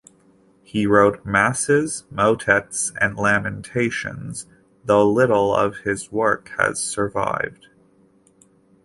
He wrote masses, motets and lamentations, though little of his work has survived.